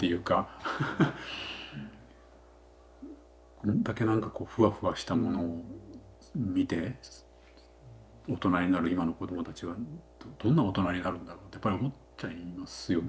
こんだけ何かこうふわふわしたものを見て大人になる今の子どもたちはどんな大人になるんだろうってやっぱり思っちゃいますよね